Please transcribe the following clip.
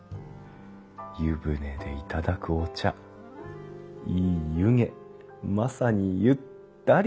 湯船で頂くお茶いい湯気まさにゆ・ったり。